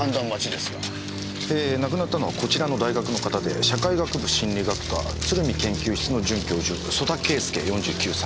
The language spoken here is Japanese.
亡くなったのはこちらの大学の方で社会学部心理学科鶴見研究室の准教授曽田敬助４９歳。